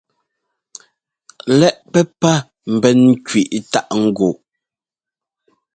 Lɛ́ꞌ pɛ́pá ḿbɛn kẅiꞌ táꞌ ŋguꞌ.